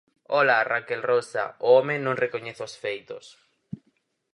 Ola, Raquel Rosa, o home non recoñece os feitos.